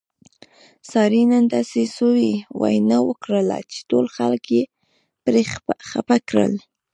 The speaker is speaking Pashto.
سارې نن داسې سوې وینا وکړله چې ټول خلک یې پرې خپه کړل.